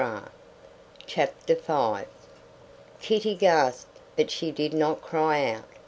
Tableau! CHAPTER V Kitty gasped, but she did not cry out.